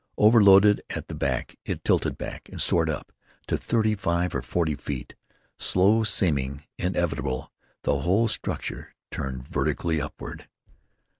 Overloaded at the back, it tilted back, then soared up to thirty five or forty feet. Slow seeming, inevitable, the whole structure turned vertically upward.